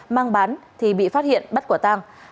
mang bán thì bị phát hiện bắt quả tàng